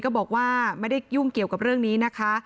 ก็บอกว่าไม่ได้ยุ่งเกี่ยวกับเรื่องนี้นะคะ